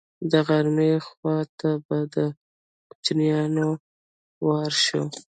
د غرمې خوا ته به د کوچیانو وار شو.